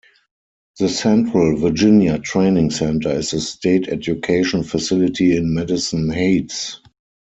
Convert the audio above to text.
The Central Virginia Training Center is a state education facility in Madison Heights.